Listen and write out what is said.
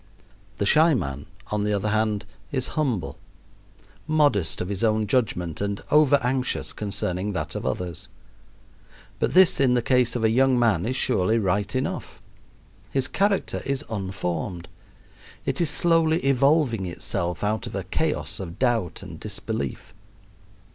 The shy man, on the other hand, is humble modest of his own judgment and over anxious concerning that of others. But this in the case of a young man is surely right enough. His character is unformed. It is slowly evolving itself out of a chaos of doubt and disbelief.